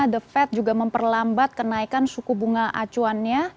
the fed juga memperlambat kenaikan suku bunga acuannya